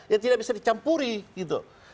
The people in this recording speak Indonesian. yang tidak bisa dicampuri gitu